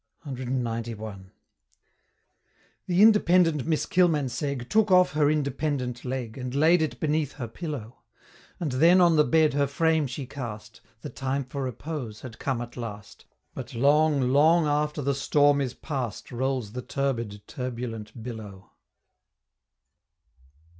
CXCI. The independent Miss Kilmansegg Took off her independent Leg And laid it beneath her pillow, And then on the bed her frame she cast, The time for repose had come at last, But long, long, after the storm is past Rolls the turbid, turbulent billow.